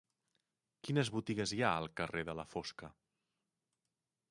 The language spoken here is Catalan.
Quines botigues hi ha al carrer de la Fosca?